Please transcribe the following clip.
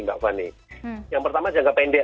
mbak fani yang pertama jangka pendek